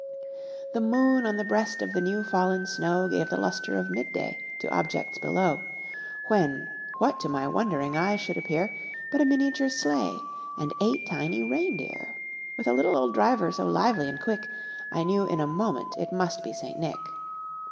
The moon on the breast of the new fallen snow Gave the lustre of mid day to objects below, When, what to my wondering eyes should appear, But a miniature sleigh, and eight tiny reindeer, With a little old driver, so lively and quick, I knew in a moment it must be St. Nick.